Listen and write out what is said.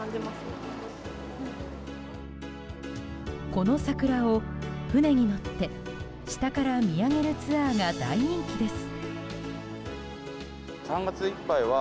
この桜を船に乗って下から見上げるツアーが大人気です。